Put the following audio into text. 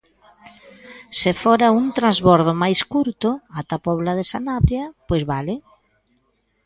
Se fora un transbordo máis curto, ata Puebla de Sanabria, pois vale.